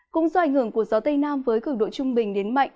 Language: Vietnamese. cũng do ảnh hưởng của gió tây nam với cứng độ trung bình đến mạnh